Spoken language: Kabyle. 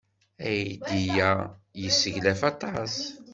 Aydi-a yesseglaf aṭas.